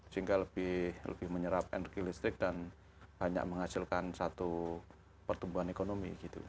sehingga lebih menyerap energi listrik dan banyak menghasilkan satu pertumbuhan ekonomi